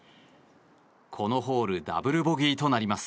このホールダブルボギーとなります。